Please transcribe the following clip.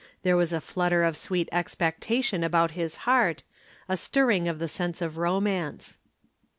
There was a flutter of sweet expectation about his heart, a stirring of the sense of romance.